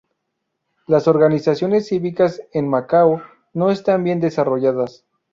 Las organizaciones cívicas en Macao no están bien desarrolladas.